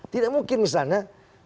tidak mungkin misalnya